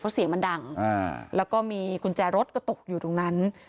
เพราะเสียงมันดังแล้วก็มีกุญแจรถก็ตกอยู่ตรงนั้น